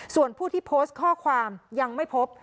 ส่วนผู้ที่โพสต์ข้อความยังไม่พบ